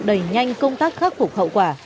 đẩy nhanh công tác khắc phục hậu quả